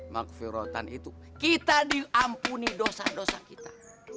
makfirotan itu kita diampuni dosa dosa kita